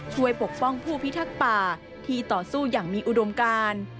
ปกป้องผู้พิทักษ์ป่าที่ต่อสู้อย่างมีอุดมการ